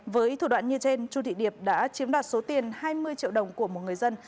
với thủ đoạn như trên chu thị điệp đã chiếm đoạt số tiền hai mươi triệu đồng của một người dân